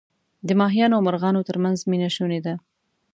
د ماهیانو او مرغانو ترمنځ مینه شوني ده.